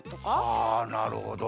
はあなるほど。